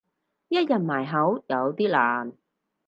一日埋口有啲難